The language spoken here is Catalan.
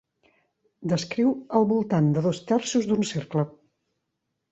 Descriu al voltant de dos terços d'un cercle.